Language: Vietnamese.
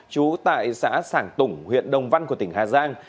chú tại xã sảng tủng huyện đồng văn của tỉnh hà giang